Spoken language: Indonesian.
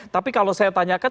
tapi kalau saya tanyakan